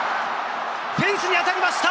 フェンスに当たりました！